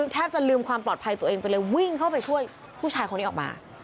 แทบจะลืมความปลอดภัยตัวเองไปเลยวิ่งเข้าไปช่วยผู้ชายคนนี้ออกมา